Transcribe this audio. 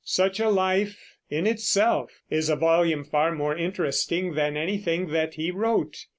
Such a life in itself is a volume far more interesting than anything that he wrote.